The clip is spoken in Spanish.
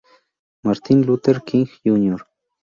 Martin Luther King, Jr.